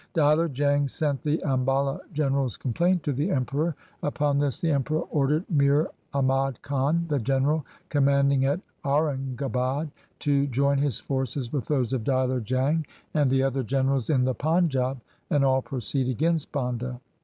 Diler J ang sent the Ambala general's complaint to the Emperor. Upon this the Emperor ordered Mir Ahmad Khan, the general commanding at Aurangabad, to join his forces with those of Diler Jang and the other 252 THE SIKH RELIGION generals in the Panjab and all proceed against Banda.